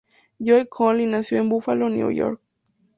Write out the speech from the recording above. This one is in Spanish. Joe Conley nació en Buffalo, Nueva York.